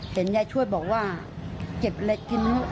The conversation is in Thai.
เห็นยายช่วยบอกว่าเก็บอะไรกิน